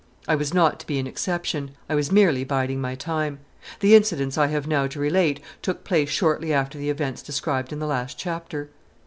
I was not to be an exception. I was merely biding my time. The incidents I have now to relate took place shortly after the events described in the last chapter.